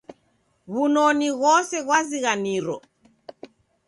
W'unoni ghose ghwazighaniro.